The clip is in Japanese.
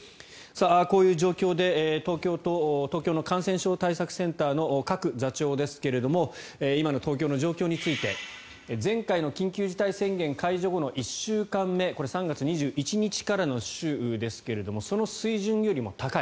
こういう状況で東京の感染症対策センターの賀来座長ですが今の東京の状況について前回の緊急事態宣言解除後の１週間目これ、３月２１日からの週ですがその水準よりも高い。